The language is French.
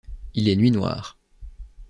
Il est nuit noire.